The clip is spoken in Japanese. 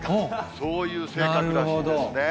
そういう性格らしいですね。